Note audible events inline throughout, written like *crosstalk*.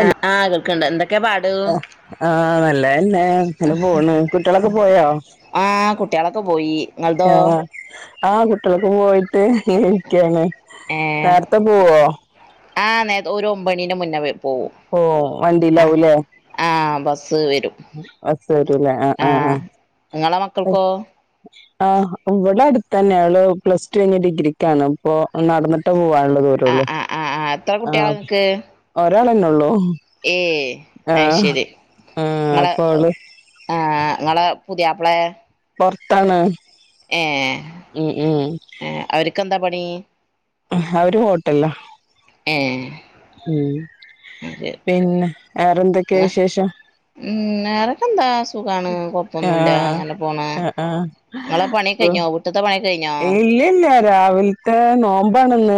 ആ ആ കേൾക്കണ്ട് എന്തൊക്കെ പാട് ആഹ് നല്ലന്നെ ഇങ്ങനെ പോണ് കുട്ടികളൊക്കെ പോയോ ആഹ് കുട്ടികളൊക്കെ പോയി നിങ്ങടതോ ആഹ് ആഹ് കുട്ടികളൊക്കെ പോയിട്ട് ഇങ്ങനെ ഇരിക്കാണ് നേരത്തെ പോവോ ആഹ് നേര ഒരു ഒമ്പത് മണീന മുന്നേ പോവും ഓ വണ്ടിയിൽ ആ ആവുല്ലേ ആ ബസ്സ് വരും അത് തരൂല്ലേ ആഹ് ആ ആഹ് ആഹ് നിങ്ങളെ മക്കൾക്കോ ആഹ് ഇവിടെ അടുത്തന്നെ അവള് പ്ലസ് ടു കഴിഞ്ഞ് ഡിഗ്രിക്കാണ് ഇപ്പൊ നടന്നിട്ട് പോവാണ് ആ വരുള്ളൂ ആ ആ ആ എത്ര ആഹ് ഒരാൾതന്നെ ഒള്ളൂ ഏഹ് അത് ശരി ആഹ് നിങ്ങളെ അപ്പൊ അവള് ആഹ് നിങ്ങളെ പുതിയാപ്പളെ പുറത്താണ് ഏഹ് ഏഹ് അവർക്കെന്താ പണി അവര് ഹോട്ടലിലാ ഏഹ് ഉം പിന്നെ വേറെന്തക്കയാ വിശേഷം ഉം വേറെക്കെ എന്താ സുഖാണ് കൊഴപ്പൊന്നുമല്ല ആഹ് അങ്ങനെ പോണ് ആഹ് നിങ്ങളെ പണി *unintelligible* ഇല്ല ഇല്ല രാവിലത്തെ നോമ്പാണന്ന്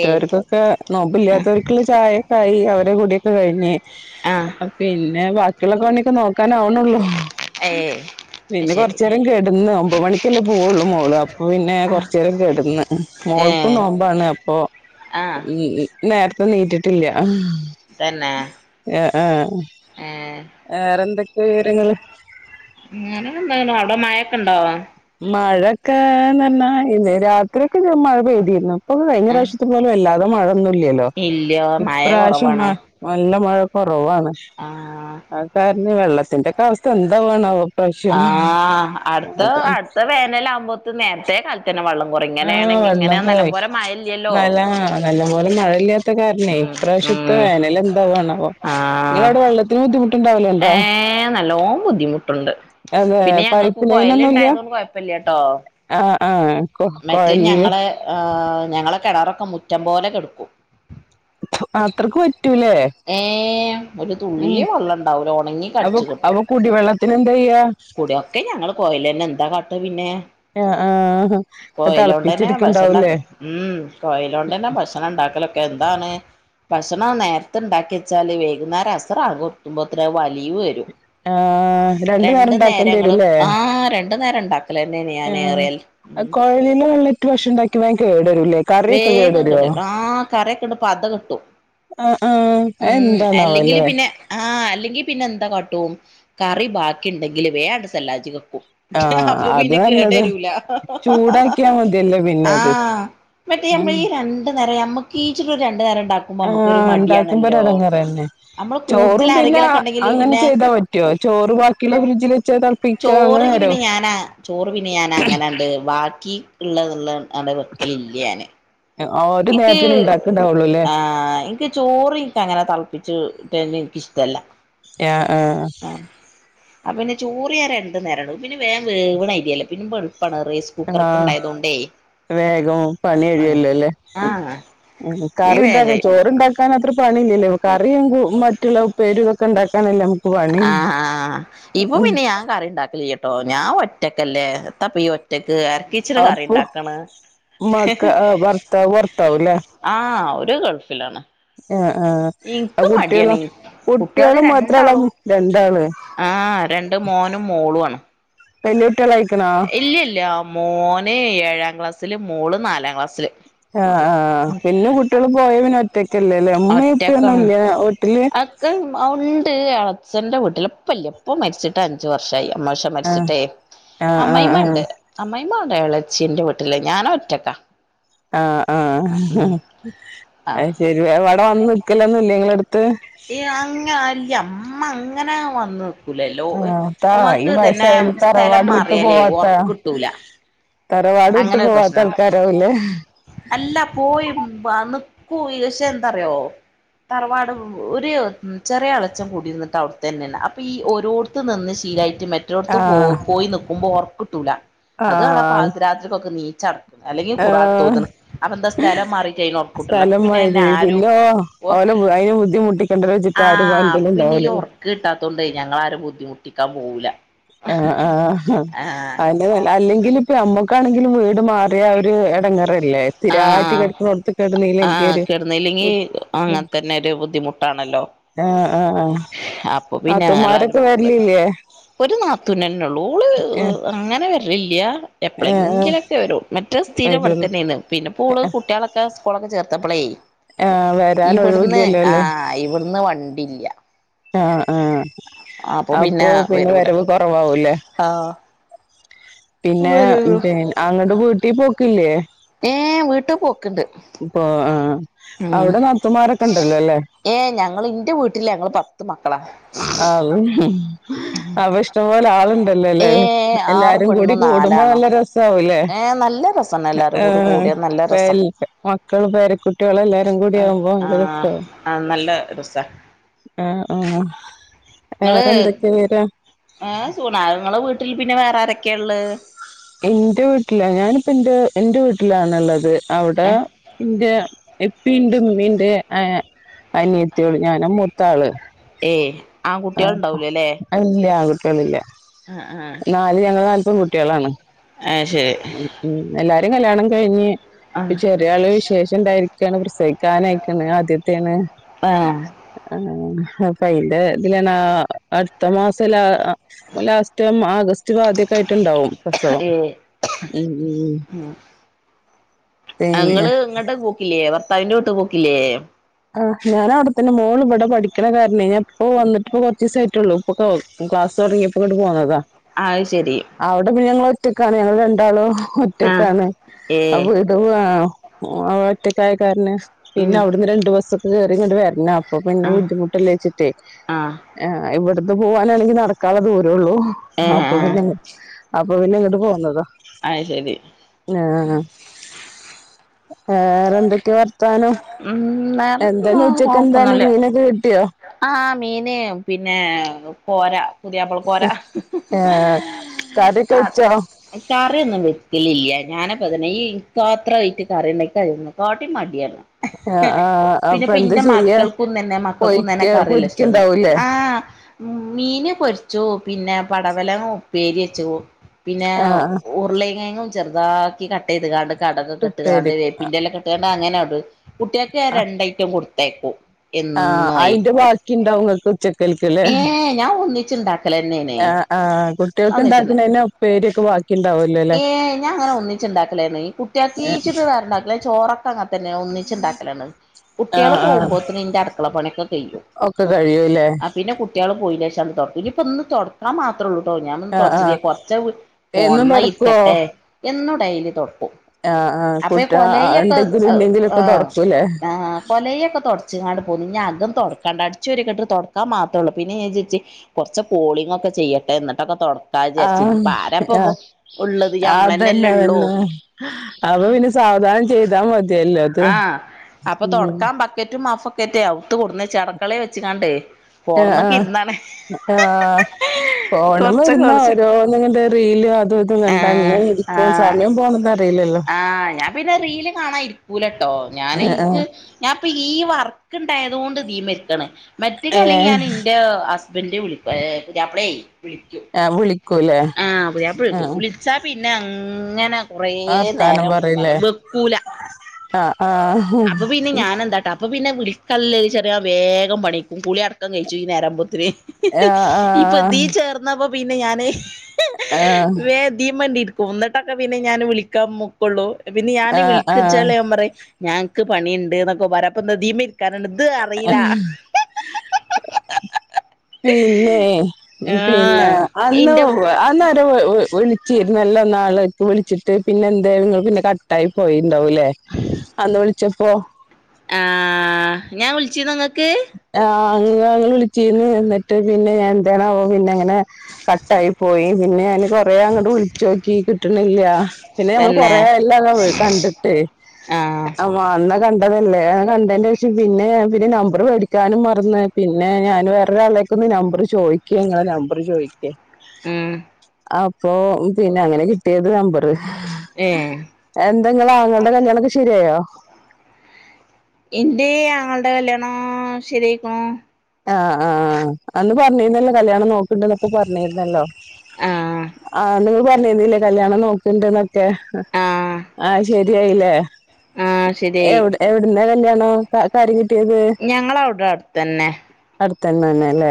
ഏയ് നോമ്പില്ലാത്ത ആഹ് വീട്ടില് ചായയൊക്കേയായി അവരുടെ കുടിയോക്കെ കഴിഞ്ഞ് ആഹ് പിന്നെ ബാക്കിയുള്ള പണിയൊക്കെ നോ ക്കണം അവന്നോള്ളൂ ഏയ് അത് പിന്നെ ശരി കൊറച്ച് നേരം കെടന്ന് ഒമ്പത് മണിക്കല്ലേ പോവുള്ളൂ മോള് പിന്നെ കൊറച്ച് നേരം കിടന്ന് ഏ മോൾക്ക് നോമ്പാണ് അപ്പൊ ആ ഇ ഇ നേരത്തെ എണിറ്റ്ട്ട്ല്ല തന്നെ ആഹ് ആഹ് ഏ വേറെന്തൊക്കെയ വിവരങ്ങള് അങ്ങന അവിടെ മഴൊക്കെ ഉണ്ടോ മഴയൊക്കെ നന്നായി രാത്രിയൊക്കെ മഴ പെയ്തിയിരുന്നു ഇപ്പൊ കഴിഞ്ഞ പ്രാവശ്യത്തി പോലും അല്ലാതെ മഴ ഒന്ന്ല്ലല്ലോ ഇല്ല മഴ ഇപ്രാശ്യം കുറവാണ് നല്ല മഴ കുറവാണ് ആ അത് കാരണം വെള്ളത്തിന്റെ ഒക്കെ അവസ്ഥ എന്താണാവോ ആഹ് അടുത്ത അടുത്ത വേനൽ ആകുമ്പോത്തക്ക്‌ നേരത്തെ *unintelligible* വെള്ളം കുറയും ആഹ് ഇങ്ങനെയാണെങ്കി ഇങ്ങനെ വെള്ളം പോയി നല്ലംപോലെ മഴ ഇല്ലല്ലോ നല്ല നല്ല പോലെ മഴയില്ല ഇത് കാരണേ ഉം ഇപ്രാവശ്യത്തെ ഉം വേനൽ എന്താവണാവോ ആ നിങ്ങവിടെ വെള്ളത്തിന് ബുദ്ധിമുട്ട്ണ്ടാവല്ലല്ലോ നല്ലോണം ബുദ്ധിമുട്ടുണ്ട് പിന്നെ ഞങ്ങൾക്ക് പൈപ്പ് കൊയല് ലൈനൊന്നും ഇല്ല ഇണ്ടായതോണ്ട് കൊഴപ്പില്ലട്ടോ ആഹ് ആഹ് കൊ മറ്റേ കൊഴലില് ഞങ്ങള് ഞങ്ങള കിണറൊക്കെ മുറ്റം പോലെ കെടക്കും അത്രക്ക് പറ്റൂല്ലേ ഏഹ് ഒരു തുള്ളി വെള്ളംണ്ടാവുംല്ല ഉണങ്ങി അപ്പൊ കടിച്ച് കിടക്കും അപ്പൊ കുടിവെള്ളത്തിന് എന്താ ചെയ്യാ ഇവിടെ ഒക്കെ ഞങ്ങൾ കോയല് തന്നെ എന്താ കാട്ട പിന്നെ ആഹ് ആഹ് കോയിലോണ്ട് തന്നെ തിളപ്പിച്ചെടുക്കണ്ടാവൂലേ ഭക്ഷണംക്കേ ഉം കോയിലോണ്ട്ന്നെ ഭക്ഷണം ഉണ്ടാക്കലും എന്താണ് ഭക്ഷണം നേരത്തെ ഉണ്ടാക്കി വെച്ചാല് വൈകുന്നേം *unintelligible* ആഹ് രണ്ട് വേറെ നേരം ഉണ്ടാക്കേണ്ടി ഞങ്ങള് വരുംല്ലേ ആ രണ്ടു നേരം ഉണ്ടാക്കലന്നെയാണ് ഞാൻ ഏറിയാൽ ആഹ് ഉം കോയലിലെ വെള്ളം ഭക്ഷണം ഉണ്ടാക്കി കേടരുല്ലേ കറിയൊക്കെ കേടുവരുമോ കറയക്കെ ഇവിടെ പത കെട്ടും ആ ഉം എന്താണാവോ അല്ലെങ്കില് അല്ലേ പിന്നെ ആഹ് അല്ലെങ്കിൽ പിന്നെ എന്താ കാട്ടും കറി ബാക്കി ഉണ്ടെങ്കില് വേറ സല്ലാജലും ആ അപ്പൊ അത് പിന്നെ കേട് നല്ലതാ വരൂല ചൂടാക്കിയാ മതിയല്ലേ പിന്നെ അത് ആഹ് നമ്മള് ഈ രണ്ട് നേരം നമുക്ക് ച്ച ഒരു രണ്ട് നേരം ഉണ്ടാക്കുമ്പോ നമുക്ക് ഒരു ആഹ് ഉണ്ടാക്കുമ്പോ ഒരു മടിയാണല്ലോ ഇടങ്ങേറ്ന്നേ നമ്മള് കൂടുതൽ ചോറും പിന്നെ ആരെങ്കിലൊക്കെ ഉണ്ടെങ്കില് അങ്ങനെ പിന്നെ ചെയ്താ പറ്റുവോ ചോറ ബാക്കിയുള്ള ഫ്രിഡ്ജിൽ വെ ളപ്പിക്ക അങ്ങനെ ചോറിന് നേരോ പിന്നെ ഞാനാ ചോറ് പിന്നെ ഞാനാ അങ്ങനെ ഉണ്ട് ബാക്കി ഉള്ളതള്ള അടെ വെക്കലില്ല ഞാന് ഒരു എനിക്ക് നേരത്തിന് ഉണ്ടാക്കണ്ടാവുള്ളൂ അല്ലേ ആ എനിക്ക് ചോറിിക്ക അങ്ങനെ ളപ്പിച്ചുട്ടനിക്ക് ആ ആ ആ പിന്നെ ചോറിയറെ രണ്ട നേര പിന്നെ വേ വേവണ ഐരിയല്ലേ പിന്നെ എളുപ്പാണ് റൈസ് കുക്കറൊക്കെ ആഹ ഉണ്ടായതുകൊണ്ടേ വേഗം ഉം പണഴിയല്ലോല്ലേ ആഹ് ഇനി കറി വേഗം ഉണ്ടാക്കൻ കഴിയും ചോറണ്ടാക്കാൻ അത്ര പണില്ലല്ലോ കറിയും മറ്റുള്ള പേരുകൊക്കെ ഉണ്ടാക്കാനല്ലേ നുക്ക് ആഹ് ആ ആ് ഇപ്പൊ പിന്നെ ഞാൻ കറി ഉണ്ടാക്കല കേട്ടോ ഞാൻ ഒറ്റക്കല്ലേ തപ്പ ഒറ്റക്ക് ആരക്ക ഇച്ചിരി കറി അപ്പൊ ഉണ്ടാക്കണ മക്ക ഭർത്താവ് പുറത്താവൂല്ലേ ആ ഒരു ഗൾഫിലാണ് ആഹ് ആഹ് ആ ഇക്ക് മടിയാന കുട്ടികളോ കുട്ടികള് മാത്രള്ള രണ്ടാളും രണ്ടാള് ആഹ രണ്ട മോനും മോളും ആണ് വല്യ കുട്ടികളായിക്കണാ ഇല്ലല്ല മോന് ഏഴാം ക്ലാസ്സില് മോള് നാലാം ക്ലാസ് ആ ആ പിന്നെ കുട്ടികൾ പോയ പിന്നെ ഒറ്റക്കല്ലേല്ലേ ഉമ്മ ഒറ്റക്കാണ് ഇപ്പൊന്നുംല്ല വീട്ടില് അക്കെ ഉണ്ട് അച്ഛന്റെ വീട്ടിലെ പ്പ ഇല്ല പ്പ മരിച്ചിട്ട് അഞ്ച് വർഷായി അമ്മോശ ആഹ് മരിച്ചിട്ടേ ആഹ് ആഹ് അമ്മായിമ്മ ണ്ട് അമ്മ മ്മ എളച്ചീന്റെ വീട്ടിലേ ഞാനൻ ഒറ്റക്ക ആഹ ആഹ് ആഹ ശരി അവിടെ വന്ന് നിക്കലന്നും ല്ലേ ങ്ങളെ എടു അങ്ങന അല്ല അമ്മ അങ്ങനെയ വന്ന് നിക്കൂലല്ലോ ആഹ് താ ഈ ഇമ്മാക്ക് തന്നെ വയസ്സായവര് സ്ഥലം തറവാട് വിട്ട് മാറിയാലേ പോവാത്ത ഒർക്കിട്ടൂല തറവാട് വിട്ട് അങ്ങനെ ഒരു പോവാത്ത പ്രശ്നണ്ട് ആൾക്കാരാവൂലേ അല്ല പോയി അന്ന് പോയി പഷേ എന്താറിയോ തറവാട് ഒരു ചെറിയ എളച്ചം കൂടിരുന്നിട്ട് അവിടുത്തന്നെയാന്ന് അപ്പൊ ഈ ഓരോടത്ത് നിന്ന് ശീലായിട്ട് റ്റ മറ്റോടത്ത് പോ ആഹ് പോയി നിക്കുമ്പം ഒർക്ക്ട്ടൂല അതാണ ആഹ് പാതി രാത്രിക്കൊക്കെ നീച്ചടക്കും അല്ലെങ്കി കുറാൻ ഏഹ് ട്തോത്ണ് അപ്പൊ എന്താ സ്ഥലം മാറിട്ട് അയ്‌ന് ഒർകിട്ടില്ല അപ്പൊ പിന്നെന്നെ ആരും അയ്നെ ബുദ്ധി ആഹ അപ്പൊ പിന്നെ ഈ ഒർക്ക് കിട്ടാത്തൊണ്ട് ഞങ്ങളാരും ബുദ്ധിമുട്ടിക്കാൻ പോവൂല ആ ആ ആഹ് അ നല്ല അല്ലെങ്കിൽ ഇപ്പ അമ്മക്കാണെങ്കിലും വ ട് മാറിയ ഒരു ഇടംങ്ങറല്ലേ സ്ഥിരായിട്ട് ആഹ് കെട്ക്കുന്നോട്ത കെ ട്നീല്ലെങ്കി ആഹ് ഒരു കിടന്നില്ലെങ്കി അങ്ങനെ തന്നെ ഒരു ബുദ്ധിമുട്ടാണല്ലോ ആഹ് ആഹ് അപ്പൊ പിന്നെ ന നാത്തൂന്മാരൊക്കെ വരലില്ലേ *unintelligible* ഒരു നാത്തുനനെ ഉള്ളൂ ഓള് ഏഹ് അങ്ങനെ വരലില്ല എപ്പ്ള ഏഹ് ങ്കിലൊക്കെ വരുള്ളൂ മറ്റേ സ്ഥിരം ബട് വരുള്ളൂ തന്നെയാണ്. പിന്നെപ്പോള് കുട്ട്യാളൊക്കെ സ്കൂളൊക്കെ ചേർത്തപ്പളേ ആഹ് വരാൻ ഇവിടുന്ന് ഒഴിവില്ലല്ലോ അല്ലേ ആഹ ഇവിടുന്ന് വണ്ടില്ല ആഹ ആഹ അപ്പൊ പിന്നെ വരവ് കൊറവാവൂലേ ആഹ് പിന്നെ വരൂ അങ്ങട്ട വീട്ടി പോക്കില്ലേ ഏ വീട്ട് പോക്ക്ണ്ട് ഇപ്പൊ ആ ഉം അവിടെ നാ ത്തുമാരൊക്കെ ഇണ്ടല്ലോ അല്ലേ ഏ ഞങ്ങള് ഇന്റെ വീട്ടില് ഞങ്ങള് പത്ത് മക്കളാ ആവൂ അപ്പൊ ഇഷ്ടം പോലെ ആള് ഏ ആറ് പെണ്ണും കൂടുമ്പോ നാലാണും നല്ല രസാവൂല്ലേ ഏ നല്ല രസാണ് എല്ലാരും ആ കൂടി കൂടി നല്ല രസ മക്കള് പേരക്കുട്ടികള് എല്ലാരും കൂടി ആകുമ്പോ ആ നല്ല ആ നല്ല രസ സ അ ആ നിങ്ങള് വേറെ എന്തൊക്കെയ വിവരം ഏ സുണ നിങ്ങളെ വീട്ടിൽ പിന്നെ വേറെ ആരൊക്കെയ ഇള്ളേ എന്റെ വീട്ടില ഞാനിപ്പ ന്റെ എന്റെ വീട്ടിലാണ്ള്ളത്. അവിടെ ഇന്റെ പ്പീണ്ട് ഇമ്മീം ണ്ട് അനിയത്തിയളും ഞാനാ മൂത്താള്. ഏ ആൺകുട്ടികൾ ആപ്പ ഉണ്ടാവൂലല്ലേ അല്ലേ ആ ന്നില്ല ആ നാല് ഞങ്ങൾ നാല് പെൺ കുട്ടികളാണ് ഏ ശരി കല്യാണം കഴിഞ്ഞ് ആ ചെറിയ ആൾ വിശേഷം ഇണ്ടായിരി ഒക്കെയാണ് പ്രസവിക്കാനായിക്കണ് ആദ്യത്തേ ആ ണ് അപ്പ അയിന്റെ ഇതിലാണ് അഹ് അടുത്ത മാസം ലാ ലാസ്റ്റ് ഓഗസ്റ്റ് പാതിയൊക്കെ ആയിട്ട് ണ്ടാവും പ്രസവം ഏ മ്മ് മ്മ് അങ്ങള് ഇങ്ങോട്ട് പോക്കില്ലേ ഭർത്താവിന്റെ വീട്ട് പോക്കില്ലേ ആ ഞാൻ അവിടെ തന്നെ മോൾ ഇവിടെ പഠിക്കണ കാരണേ ഞാൻ പ്പ വന്നിട്ടിപ്പോ കൊർചീസേ ആയിട്ടുള്ളൂ ഇപ്പൊ ക്ലാസ് തൊടങ്ങിയപ്പോ ങ്ങട്ട് പോന്നതാ അത് ശരി അവിടെ പിന്നെ ഞങ്ങള് ഒറ്റക്കാണ് ഞങ്ങൾ രണ്ടാളും ആ ഒറ്റക്കാണ് ഏ അപ്പ ഇട ഒറ്റക്കായ കാരണം പിന്നെ ഉം അവിടുന്ന് രണ്ട് ബസൊക്കെ കേറി ഇങ്ങട് വരണം. അപ്പൊ പിന്നെ ആ ബുദ്ധിമുട്ടല്ലേ വച്ചിട്ടേ ആ ഏഹ് ഇവിടന്ന് പോവാനാണെങ്കി നടക്കാനുള്ള ദൂര ള്ളൂ ഏ അപ്പൊ ആ പിന്നെ അപ്പൊ പിന്നെ ഇങ്ങട് പോന്നതാ അയ് ശരി ആ വേറെ എന്തൊക്കെയ വർത്താനം ഉം വേറെ എന്താ ഉച്ചക്ക് എന്താണ് കൊഴപ്പൊന്നുല്ല മീനൊക്കെ കിട്ടിയോ ആഹ് മീന് പിന്നെ കോരാ പുതിയാപ്ല കോരാ ഏ കറിയൊക്കെ വെച്ചോ കറിയൊന്നും വെക്കലില്ല ഞാനപ്പം തന്നെ ഈ പാത്ര ആയിറ്റ് കറി ഉണ്ടക്കാന്ന് അതിനെ കാട്ടിയും മടിയാണ് ആ പിന്നെ അപ്പൊ ഇപ്പ എന്താ എന്റെ ചെയ്യാ മക്കൾക്കും ഇന്ന്തന്നെ മക്ക പൊരിക്ക ക്കുന്നനക്കെ കറിയൊന്നും ഇഷ്ടോന്ന പൊരിക്കുണ്ടാവൂലേ ആഹ് മീന് പൊരിച്ചു പിന്നെ പടവലങ്ങ ഉപ്പേരി വെച്ചു പിന്നെ ആ ഉരുളകിയങ്ങും ചെറുതാക്കി കട്ട് ചെയ്ത് കാണ്ട് കടക്ക്കേ ഇട്ടാണ്ട് ഉപ്പേരിക്ക് ആ വേപ്പിൻന്റെ ഇല എല്ലാം കെട്ടുകാണ്ട് അങ്ങനെയ ഉള്ള കുട്ടികൾക്ക് ഞാന് രണ്ട് ഐറ്റം കൊടുത്ത തേക്കൂ എ ആഹ് അതിന്റെ ബാക്കിയുണ്ടാവും ഇങ്ങക്ക് ഉച്ചക്ക് കഴിക്കാൻ ല്ലേ ഏ ഞാൻ ഒന്നിച്ചുണ്ടാക്കലന്നെയാണ് ആഹ് ആഹ് കുട്ടികൾക്ക് ഉണ്ടാക്കുന്നെൻ്റെ ഉപ്പേരിയൊക്കെ ബാക്കി ഉണ്ടാവുമല്ലോ അല്ലേ ഏയ് ഞാൻ അങ്ങനെ ഒന്നിച്ചി ഉണ്ടാക്കലായിരുന്നു ഈ കുട്ടിയാക്കിച്ചിട്ട് വേറെണ്ടാക്കല അങ്ങ തന്നെ ഒന്നിച്ച് ഇണ്ടാക്കലാണ് കുട്ടികള് ആഹ് ആഹ് പോകുമ്പോത്തന്നെ ഇന്റെ അടുക്കള പണിയൊക്കെ തീരും ഒക്കെ കഴൂല്ലേ ആഹ് പിന്നെ കുട്ടികള് പോയി ശേഷം അങ്ങ് തൊടക്കൂ ഇപ്പൊ ഇന്ന് തൊടക്കാൻ മാത്രം മാത്രേള്ളൂട്ടോ ഞാൻ ഇന്ന് ആഹ് തുടച്ചില്ല ആഹ് കുറച്ച് എന്നും ഫോണുമ്മേ തൊടക്കുവോ ഇരിക്കട്ടെ എന്നും ഡൈലി തൊടക്കും ആഹ് ആഹ് അപ്പൊ ഈ കുട്ട കൊലയിയൊക്കെ ഉണ്ടെങ്കിലും ഇല്ലെങ്കിലും ഒക്കെ ആഹ് തൊടക്കൂല്ലേ ആ കൊലയിയൊക്കെ തുടച്ച്ങ്ങട് പോ ഇനി അകം തുടക്ക കണ്ട് അടിച്ച് വാരിയൊക്കെ ഇട്ടു തുടക്കാൻ മാത്രേയള്ളൂ പിന്നൊ ഞാൻ വിജാരിച്ച് കുറച്ച് കോളിങ്ങ് ഒക്കെ ചെയ്യട്ടെ എന്നിട്ടൊക്കെ തുടക്ക കട്ട വിചാരിച്ച് ആഹ് ഇപ്പ ആരപ്പ്പ ആഹ് ഉള്ളത് ഞമ്മളന്നെല്ലേ അതന്നെ ഉള്ളൂ അതന്നെ അപ്പൊ പിന്നെ സാവധാനം ചെയ്താ മതിയല്ലോ അത് ആഹ് അപ്പൊ ഉം തൊടക്കാൻ ബക്കറ്റും മാഫും റ്റേ അവത്ത് കൊണ്ടന്ന് അടക്കളെ വെച്ചിക്കാണ്ടേ ആഹ് ആഹ് ആഹ് ഫോണുമ്മെ കൊറച്ചൊക്കെ ഇരുന്ന വിളിച്ച് ഓരോന്നും കണ്ട് റീൽ അതും ഇതും കണ്ട് ആഹ് ഇങ്ങെരിക്കും ആഹ് സമയം പോണത് അറിയില്ലല്ലോ പൂലട്ടോ ഞാന് ആഹ് ആഹ് എനിക്ക് ഞാൻപ്പ ഈ വർക്ക് ഇണ്ടായതു കൊണ്ട് ഇതിമേ ഇരിക്കണ് മറ്റേ അല്ലെങ്കിൽ ഏഹ് ഞാൻ എന്റെ ഹസ്ബൻന്റെ വിളി പുയാപ്ലയേ വിളിക്കും ആ വിളിക്കൂലേ ആഹ് പുയാപ്ല ആ വിളിക്കും വിളിച്ചാ പിന്നെ അങ്ങനെ കുറേ വർത്താനം നേരം പറയിലേ വെക്കൂല ആ ആ അപ്പൊ പിന്നെ ഞാന് എന്താട്ടാ അപ്പം പിന്നെ വിളിക്കല്ല ചെറിയാൻ വേഗം പണിക്കും കുളി അടക്കം കഴിച്ചു ഈ നേരാകുമ്പം ആ ആ ഇപ്പൊ ഇതീൽ ചേർന്നപ്പോ പിന്നെ ഞാന് ആ വേഗം ഇതിമ്മേ ഇങ്ങിരിക്കും എന്നിട്ടൊക്കെ പിന്നെ ഞാന് വിളിക്കാൻ നോക്കള്ളു പിന്നെ ഞാൻ ആ ആ വിളിക്കിച്ചള ഞാൻ പറയും ഞങ്ങക്ക് പണിയുണ്ട് എന്നൊക്കെ പറയും അപ്പോ ഇതിമേൽ കാരണം ഇത് അറിയില പിന്നെ പിന്നെ ആ അന്ന് ഇന്റെ അന്നാര വിളി വിളി ചീര നല്ല ഒന്നാളെ വിളിച്ചിട്ട് പിന്നെ എന്താ നി പിന്നെ കട്ട ആായി പോയി ണ്ടാവല്ലേ അന്ന് വിളിച്ചപ്പോ ആഹ ഞാൻ വിളിച്ചി നിങ്ങക്ക് അ വിളിച്ചന്ന് നിിട്ട് പിന്നെ ഞാൻ എന്തണ പിന്നെങ്ങനെ കട്ടായി പോയി പിന്നെ കൊറ അങ്ങട്ട് വിളിച്ചു നോക്കി കിട്ടണില്ല പിന്നെ നമ്മൾ കൊറ തന്നെ എല്ലാംങ്ങ കണ്ടിട്ട് ആ അന്നാ കണ്ടതല്ലേ കണ്ടതിന്റെം പിന്നെ പിന്നെ ന നമ്പർ മേടിക്കാനും മറന്ന് പിന്നെ ഞാന്ൻ വേറൊരാളേക്കൊ ഒന്ന് നമ്പർ ചോദിക്ക ങ്ങെ നമ്പറ് ചോദിക്ക *inaudible* ഇപ്പൊ പിന്നെ അങ്ങനെ കിട്ടിയത് നമ്പറ് ഏ എന്തെങ്കോ തങ്ങളുടെ കല്യാളൊക്കെ ശരിയായോ എന്റെ ങ്ങളുടെ കല്യാണം ശരിയക്കണോ ആഹ് ആഹ അന്ന് പറഞ്ഞിരുന്നല്ലോ കല്യാണം നോക്കിണ്ടന്നപ്പോൊ പറഞ്ഞിരുന്നല്ലോ ആ ആ നഗ അ എന്നാലേ കല്യാണം നോക്കിണ്ടന്നൊക്കെ ആഹ് ആഹ് ശരിയായില്ലേ ആഹ് എ ശരിയായി എവിടുന്ന കല്യാണ കാര്യങ്ങൾ ഞങ്ങവിടെ അടുത്തന്നെ അടുത്തണ്ണ തന്നെല്ലേ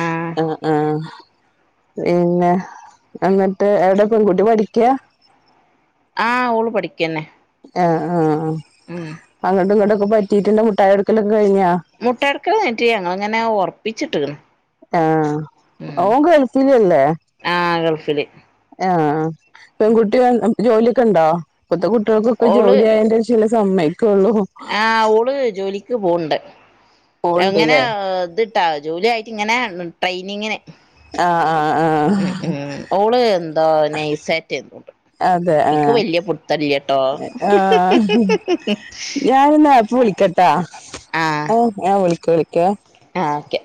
ആഹ് ആ ആഹ് പിന്നെ എന്നിട്ട് എവിടെ പെൺകുട്ടി പഠിക്ക ആഹ ഓള് പഠിക്കന്നെ ആ ഉം ആ അങ്ങട്ടും ഇങ്ങോട്ടൊക്കെ പറ്റിയിട്ട്ന്റെ മുട്ടായി എടുക്കൽ മുട്ടായി എടുക്കൽ ഞങ്ങിങ്ങനെ ഉറപ്പിച്ചിട്ട് ആഹ് അവൻ ഗൾഫിൽ അല്ലേ ആഹ് ഗൾഫില് ആഹ് പെൺകുട്ടികൾ ജോലിയൊക്കെ ഉണ്ടോ ഇപ്പത്തെ കുട്ടികൾക്കൊക്കെ ജോലി ആയതിന്റെ ശേഷം സമ്മ ആ ഓള് ജോലിക്ക് പോണ്ട് എങ്ങനെ പോണ്ടല്ലേ ഇത് ജോലി ആയിട്ട് ഇങ്ങനെ ട്രെയിനിങ്ങിന് ആഹ ആഹ് ഉ ഉം ഉ ഓള് എന്താ നെയിസായിറ്റ് എന്തണ്ട് അതെ ആ എനിക്ക് വലിയ പുത്തരില്ലേട്ടോ ആ ചിക്കട്ടാ ആ ഞാൻ വിളിക്ക വിളിക്ക ആഹ് ഓക്കെ